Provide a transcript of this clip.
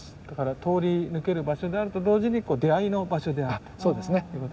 だから通り抜ける場所であると同時に出会いの場所であると。